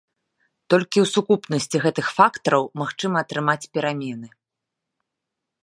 Толькі ў сукупнасці гэтых фактараў магчыма атрымаць перамены.